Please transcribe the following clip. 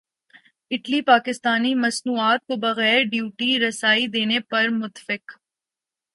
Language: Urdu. اٹلی پاکستانی مصنوعات کو بغیر ڈیوٹی رسائی دینے پر متفق